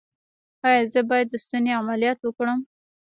ایا زه باید د ستوني عملیات وکړم؟